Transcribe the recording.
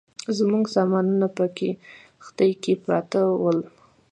زموږ سامانونه په کښتۍ کې پراته ول.